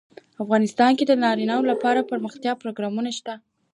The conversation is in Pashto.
افغانستان کې د انار لپاره دپرمختیا پروګرامونه شته.